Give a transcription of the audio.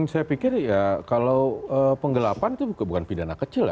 saya pikir ya kalau penggelapan itu bukan pidana kecil ya